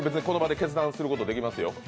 この場で決断することできますよ？